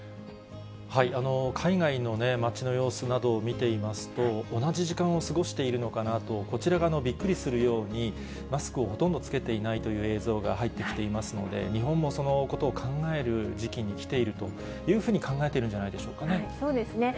海外の街の様子などを見ていますと、同じ時間を過ごしているのかなと、こちらがびっくりするように、マスクをほとんど着けていないという映像が入ってきていますので、日本もそのことを考える時期に来ているというふうに考えてるんじそうですね。